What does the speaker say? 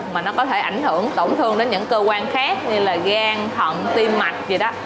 mà nó có thể ảnh hưởng tổn thương đến những cơ quan khác như là gan thận tim mạch gì đó